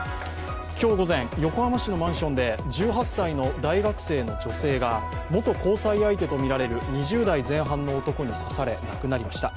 今日午前横浜市のマンションで１８歳の大学生の女性が元交際相手とみられる２０代前半の男に刺され、亡くなりました。